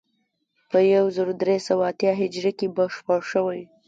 په یو زر درې سوه اتیا هجري کې بشپړ شوی.